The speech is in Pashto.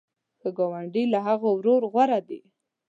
ښه ګاونډی له هغه ورور غوره دی.